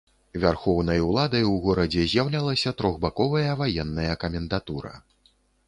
Вярхоўнай уладай у горадзе з'яўлялася трохбаковая ваенная камендатура.